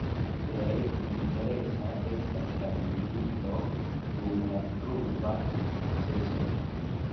Plej interesa estas la vizito dum la pluva sezono.